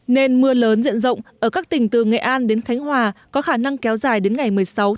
nên mưa lớn diện rộng ở các tỉnh từ nghệ an đến khánh hòa có khả năng kéo dài đến ngày một mươi sáu một mươi hai